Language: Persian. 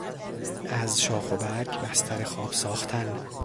از شاخ و برگ بستر خواب ساختن